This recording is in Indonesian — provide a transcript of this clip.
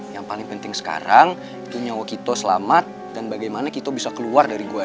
yang paling penting sekarang itu nyawa kito selamat dan bagaimana kita bisa keluar dari gua